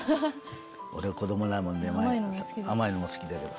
俺は子供なもんで甘いのも好きだけど。